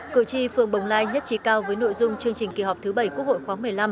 cử tri phương bồng lai nhất trí cao với nội dung chương trình kỳ họp thứ bảy quốc hội khoáng một mươi năm